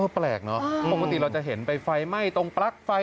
แปลกเนอะปกติเราจะเห็นไปไฟไหม้ตรงปลั๊กไฟ